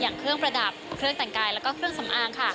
อยากเครื่องประดับเครื่องตังกายและเครื่องสำอาง